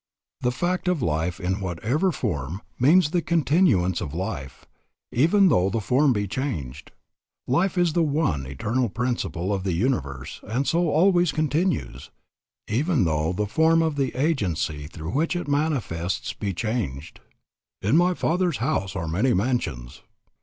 The fact of life in whatever form means the continuance of life, even though the form be changed. Life is the one eternal principle of the universe and so always continues, even though the form of the agency through which it manifests be changed. "In my Father's house are many mansions."